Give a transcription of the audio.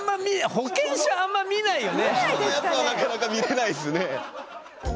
人のやつはなかなか見れないですね。